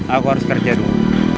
aku harus kerja dulu